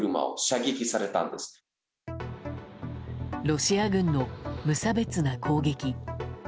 ロシア軍の無差別な攻撃。